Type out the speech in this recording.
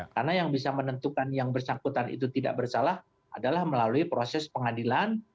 karena yang bisa menentukan yang bersangkutan itu tidak bersalah adalah melalui proses pengadilan